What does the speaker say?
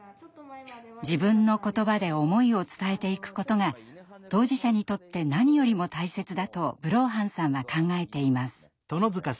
自分の言葉で思いを伝えていくことが当事者にとって何よりも大切だとブローハンさんは考えています。